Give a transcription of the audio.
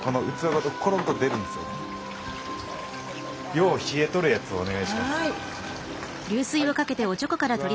よう冷えとるやつをお願いします。